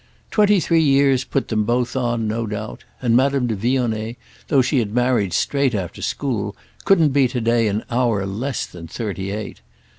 Twenty three years put them both on, no doubt; and Madame de Vionnet—though she had married straight after school—couldn't be today an hour less than thirty eight.